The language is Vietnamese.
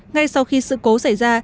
ngay sau khi sự cố xảy ra